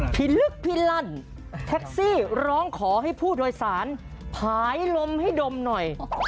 ลึกพิลั่นแท็กซี่ร้องขอให้ผู้โดยสารผายลมให้ดมหน่อย